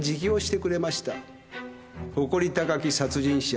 誇り高き殺人者。